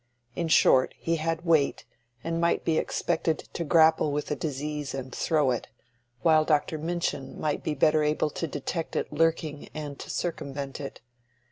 In short, he had weight, and might be expected to grapple with a disease and throw it; while Dr. Minchin might be better able to detect it lurking and to circumvent it.